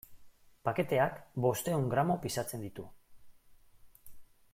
Paketeak bostehun gramo pisatzen ditu.